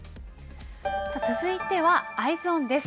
続いてはＥｙｅｓｏｎです。